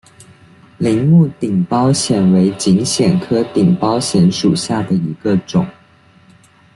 铃木顶苞藓为锦藓科顶苞藓属下的一个种。